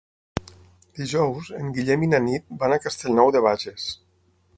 Dijous en Guillem i na Nit van a Castellnou de Bages.